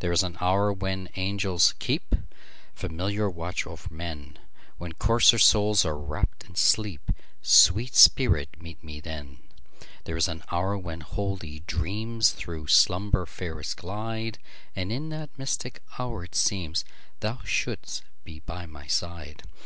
There is an hour when angels keepFamiliar watch o'er men, When coarser souls are wrapp'd in sleep—Sweet spirit, meet me then! There is an hour when holy dreamsThrough slumber fairest glide; And in that mystic hour it seemsThou shouldst be by my side.